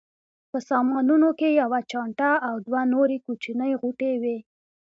په سامانونو کې یوه چانټه او دوه نورې کوچنۍ غوټې وې.